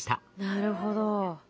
なるほど。